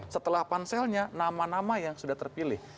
setelah panselnya nama nama yang sudah terpilih